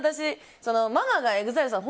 ママがＥＸＩＬＥさん